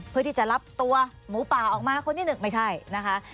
เพื่อที่จะรับตัวหมูป่าออกมาคนที่หนึ่งไม่ใช่นะคะ